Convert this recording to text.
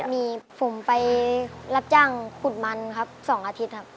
มีผมไปรับจ้างขุดมันครับ๒อาทิตย์ครับ